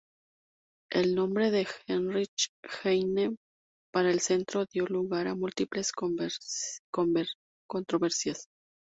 El nombre de "Heinrich Heine" para el centro dio lugar a múltiples controversias.